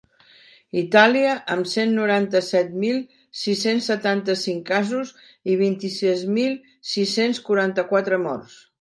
Itàlia, amb cent noranta-set mil sis-cents setanta-cinc casos i vint-i-sis mil sis-cents quaranta-quatre morts.